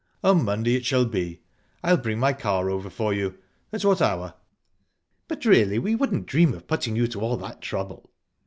"On Monday it shall be. I'll bring my car over for you. At what hour?" "But really, we wouldn't dream of putting you to all that trouble."